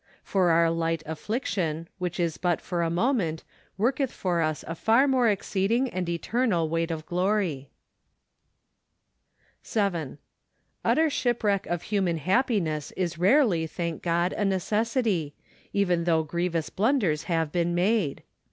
" For our light affliction , xchich is but for a moment, worketh for us afar more exceeding and eternal weight of glory." 7. Utter shipwreck of human happiness is rarely, thank God, a necessity ; even though grievous blunders have been made.